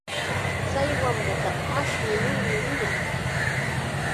Chay wamrataqa ashnu nirmi niyan.